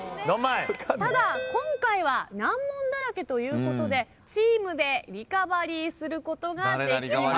ただ今回は難問だらけということでチームでリカバリーすることができます。